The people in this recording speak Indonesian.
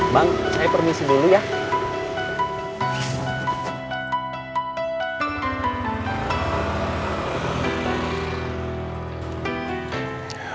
bang saya permisi dulu ya